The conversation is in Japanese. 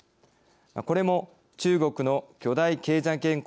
これも中国の巨大経済圏構想